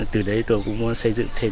từ đấy tôi cũng muốn xây dựng thêm